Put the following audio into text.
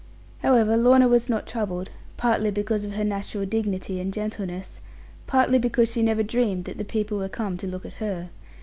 However, Lorna was not troubled; partly because of her natural dignity and gentleness; partly because she never dreamed that the people were come to look at her.